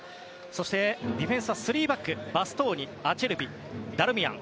そして、ディフェンスは３バックバストーニ、アチェルビダルミアン。